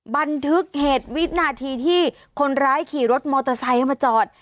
บันทึกเหตุวินาทีที่คนร้ายขี่รถมอเตอร์ไซค์เข้ามาจอด